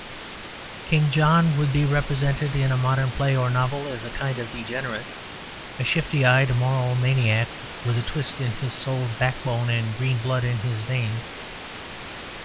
King John would be represented in a modern play or novel as a kind of degenerate; a shifty eyed moral maniac with a twist in his soul's backbone and green blood in his veins.